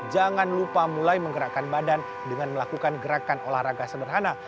jangan lupa mulai menggerakkan badan dengan melakukan gerakan olahraga sederhana